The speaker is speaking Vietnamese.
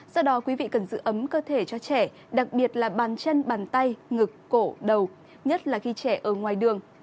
do đó quý vị cần giữ ấm cơ thể cho trẻ đặc biệt là bàn chân bàn tay ngực cổ đầu nhất là khi trẻ ở ngoài đường